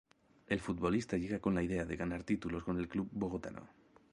El futbolista llega con la idea de ganar títulos con el club bogotano.